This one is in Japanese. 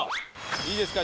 いいですか？